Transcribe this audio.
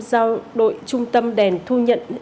giao đội trung tâm đèn thu nhận